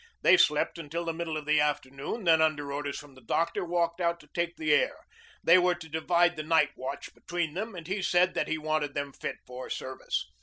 They slept until the middle of the afternoon, then under orders from the doctor walked out to take the air. They were to divide the night watch between them and he said that he wanted them fit for service.